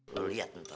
lo liat bentar